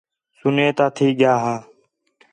سُنّے تا تھی ڳِیا ہا